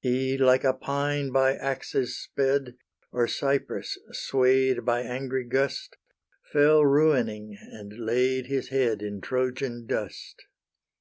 He, like a pine by axes sped, Or cypress sway'd by angry gust, Fell ruining, and laid his head In Trojan dust.